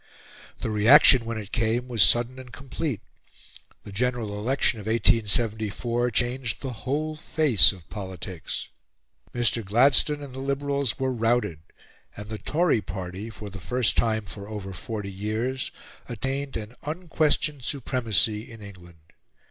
The reaction, when it came, was sudden and complete. The General Election of 1874 changed the whole face of politics. Mr. Gladstone and the Liberals were routed; and the Tory party, for the first time for over forty years, attained an unquestioned supremacy in England.